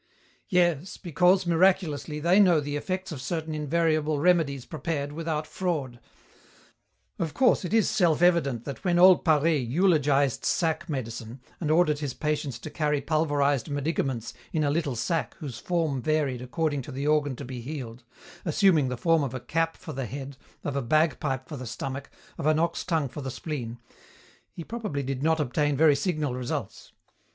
"Yes, because, miraculously, they know the effects of certain invariable remedies prepared without fraud. Of course it is self evident that when old Paré eulogized 'sack medicine' and ordered his patients to carry pulverized medicaments in a little sack whose form varied according to the organ to be healed, assuming the form of a cap for the head, of a bagpipe for the stomach, of an ox tongue for the spleen, he probably did not obtain very signal results.